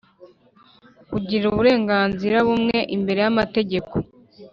kugira uburenganzira bumwe imbere y'amategeko